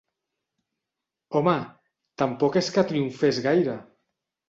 Home, tampoc és que triomfés gaire.